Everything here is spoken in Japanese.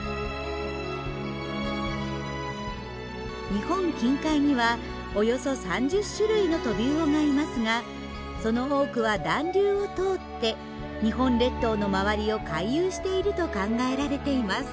日本近海にはおよそ３０種類のトビウオがいますがその多くは暖流を通って日本列島の周りを回遊していると考えられています。